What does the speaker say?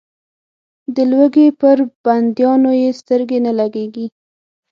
د لوږې پر بندیانو یې سترګې نه لګېږي.